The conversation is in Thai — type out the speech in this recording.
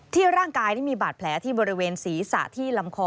ร่างกายนี่มีบาดแผลที่บริเวณศีรษะที่ลำคอ